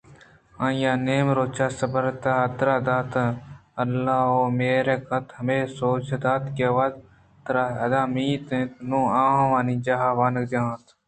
آئی ءِ نیم روچ ءِ سبارگءِ حاترا دات اَنت ءُ اللہ ءِ میارئے کُت ءُہمے سوج دات کہ وا تر اِد ا مئیت اِنت ءُنوں آوانی جاگہ وانگجاہ ءَ اِنت